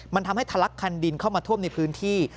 มันทำให้ทะลักคันดินเข้ามาท่วมในพื้นที่